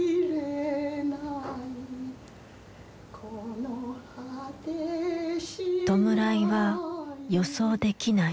この「弔いは予想できない。